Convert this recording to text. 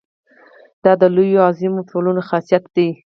دا د لویو او عظیمو ټولنو خاصیت دی.